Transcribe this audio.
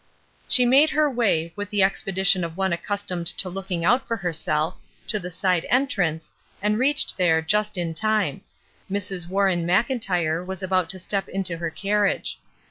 She made her way, with the expedition of one accustomed to looking out for herself, to the side entrance, and reached there just in time; Mrs. Warren Mclntyre was about to step into her carriage.